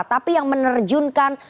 tapi yang menerjunkan